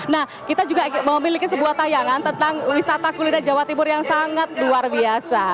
nah kita juga memiliki sebuah tayangan tentang wisata kuliner jawa timur yang sangat luar biasa